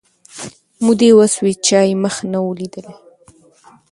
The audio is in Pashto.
مودې وسوې چا یې مخ نه وو لیدلی